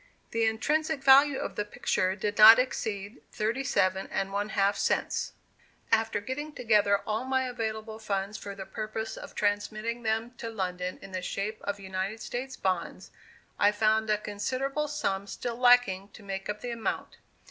The intrinsic value of the picture did not exceed thirty seven and one half cents! After getting together all my available funds for the purpose of transmitting them to London in the shape of United States bonds, I found a considerable sum still lacking to make up the amount.